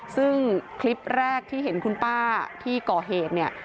ซึ่งคลิปแรกที่เห็นคุณป้าที่ก่อเหตุเนี่ย